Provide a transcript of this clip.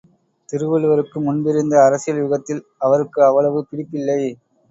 திருவள்ளுவருக்கு முன்பிருந்த அரசியல் யுகத்தில் அவருக்கு அவ்வளவு பிடிப்பில்லை.